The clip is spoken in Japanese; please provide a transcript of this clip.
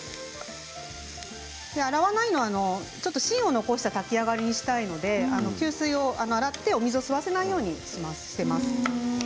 洗わないのは芯を残した炊き上がりにしたいので吸水を、洗って、お水を吸わせないようにしています。